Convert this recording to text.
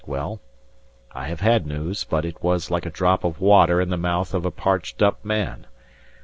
Well, I have had news, but it was like a drop of water in the mouth of a parched up man.